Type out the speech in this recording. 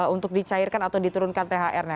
untuk dicairkan atau diturunkan thr nya